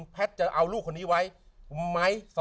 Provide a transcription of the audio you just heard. แพทย์จะเอาลูกคนนี้ไว้ไหม